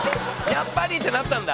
やっぱりってなったんだ？